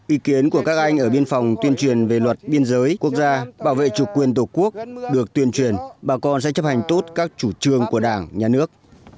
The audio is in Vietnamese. ý kiến của các anh ở biên phòng tuyên truyền về luật biên giới quốc gia bảo vệ chủ quyền tổ quốc được tuyên truyền bà con sẽ chấp hành tốt các chủ trương của đảng nhà nước